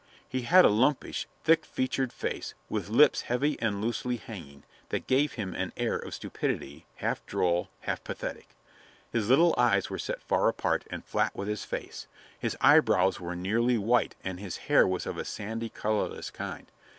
He had a lumpish, thick featured face, with lips heavy and loosely hanging, that gave him an air of stupidity, half droll, half pathetic. His little eyes were set far apart and flat with his face, his eyebrows were nearly white and his hair was of a sandy, colorless kind.